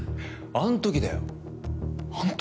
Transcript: あん時だよあん時？